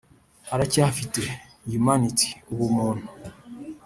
aracyafite Humanity(ubumuntu)